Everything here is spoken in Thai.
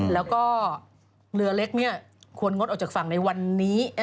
แล้วก็เรือเล็กควรงดออกจากฝั่งในวันนี้